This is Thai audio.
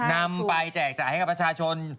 นำไปแจกจ่ายให้กับประชาชน